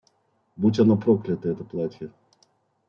Будь оно проклято, это платье!